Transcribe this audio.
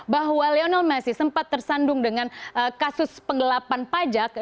bahwa lionel messi sempat tersandung dengan kasus penggelapan pajak